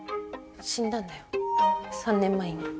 死んだんだよ３年前に。